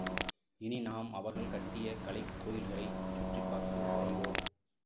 இனி நாம் அவர்கள் கட்டிய கலைக் கோயில்களைச் சுற்றிப் பார்க்க விரைவோம்.